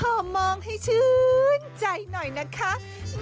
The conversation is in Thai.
โอ้โหก็นุ่มน้อยน้องพี่